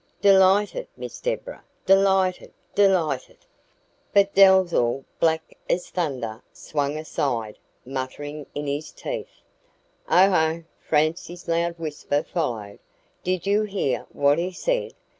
"Delighted, Miss Deborah! delighted! delighted!" But Dalzell, black as thunder, swung aside, muttering in his teeth. "Oh, oh!" Francie's loud whisper followed. "DID you hear what he said?